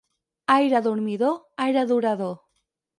Aire dormidor, aire durador.